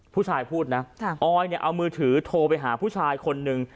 ผู้ชายพูดนะออยเนี่ยเอามือถือโทรไปหาผู้ชายคนนึง